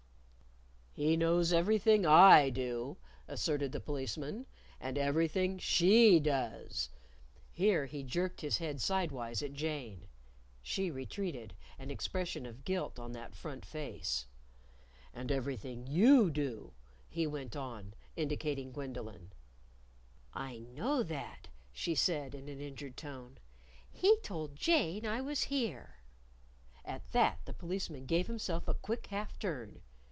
"He knows everything I do," asserted the Policeman, "and everything she does " Here he jerked his head sidewise at Jane. She retreated, an expression of guilt on that front face. "And everything you do," he went on, indicating Gwendolyn. "I know that," she said in an injured tone. "He told Jane I was here." At that, the Policeman gave himself a quick half turn.